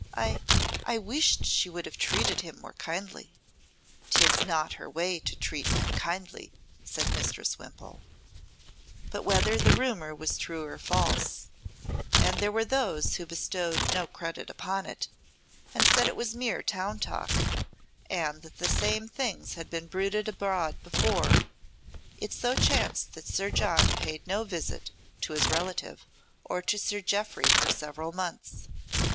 I I wished she would have treated him more kindly." "'Tis not her way to treat men kindly," said Mistress Wimpole. But whether the rumour was true or false and there were those who bestowed no credit upon it, and said it was mere town talk, and that the same things had been bruited abroad before it so chanced that Sir John paid no visit to his relative or to Sir Jeoffry for several months.